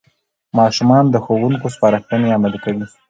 ماشومان د ښوونکو سپارښتنې عملي کوي